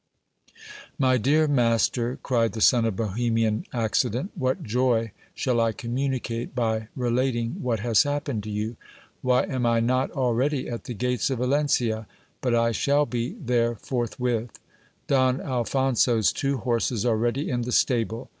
My dear master, cried the son of Bohemian accident, what joy shall I communicate by relating what has happened to you ! Why am I not already at the gates of Valencia ? But I shall be there forthwith. Don Alphonso's two horses are ready in the stable.